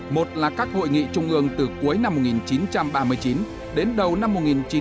một là các hội nghị trung ương từ cuối năm một nghìn chín trăm ba mươi chín đến đầu năm một nghìn chín trăm bảy mươi năm